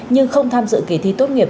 nhưng không tham dự kỳ thi tốt nghiệp